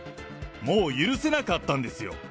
もう許せなかったんですよ。